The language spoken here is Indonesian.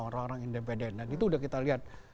orang orang independen dan itu udah kita lihat